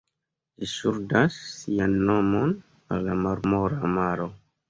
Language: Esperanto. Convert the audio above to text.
Ĝi ŝuldas sian nomon al la Marmora maro.